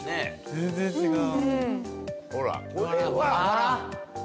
全然違う！